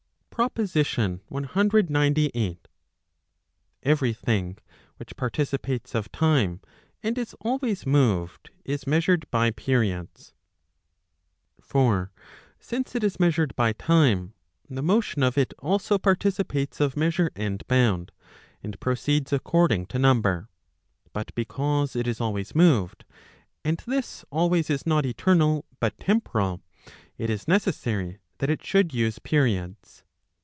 PROPOSITION CXCVUI. Every thing which participates of time, and is always moved, is measured by periods. , For since it is measured by time, the motion of it also participates of measure and bound, and proceeds according to number. But because it is always moved, and this always is not 5 eternal, but temporal, it is necessary that it should use periods.